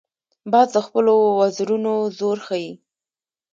باز د خپلو وزرونو زور ښيي